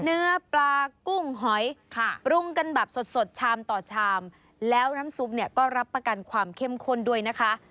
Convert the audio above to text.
เนื้อปลากุ้งหอยค่ะปรุงกันแบบสดสดชามต่อชามแล้วน้ำซุปเนี่ยก็รับประกันความเข้มข้นด้วยนะคะ